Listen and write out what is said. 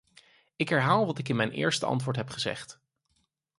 Ik herhaal wat ik in mijn eerste antwoord heb gezegd.